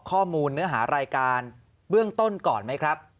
เนื้อหารายการเบื้องต้นก่อนไหมครับ